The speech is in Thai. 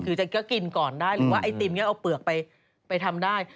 ก็กินก่อนได้หรือว่าไอติมนี้เอาเปลือกไปทำได้